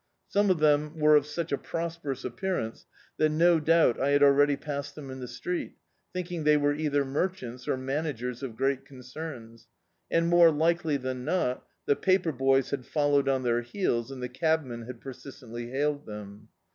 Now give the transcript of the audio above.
Some of them were of such a prosperous appearance that no doubt I had already passed them in the street, thinking they were either merchants or managers of great concerns ; and, more likely than not, the paper boys had fol lowed on their heels, and the cabmen had persistently hailed them.